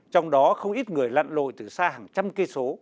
trong đó không ít người lặn lội từ xa hàng trăm km